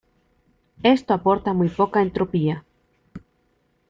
Esto aporta muy poca entropía.